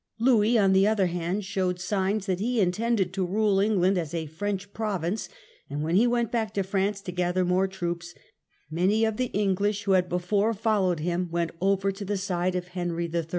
Louis on the other hand showed signs that he intended to rule England as a French province, and when he went back to France to gather more troops, many of the English who had before followed him went over to the side of Henry III.